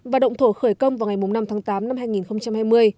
và động thổ khởi công vào ngày năm tháng tám năm hai nghìn hai mươi